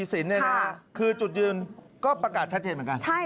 ขณะที่นายเสถาธวีสินคือจุดยืนก็ประกาศชัดเจนเหมือนกัน